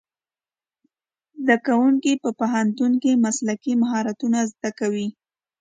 زدهکوونکي په پوهنتون کې مسلکي مهارتونه زده کوي.